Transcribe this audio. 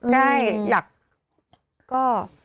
ใช่หลักก็